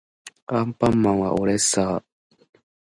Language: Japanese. アンパンマンはおれっさー